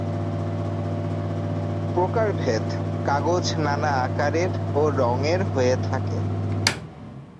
প্রকারভেদ: কাগজ নানা আকারের ও রঙের হয়ে থাকে।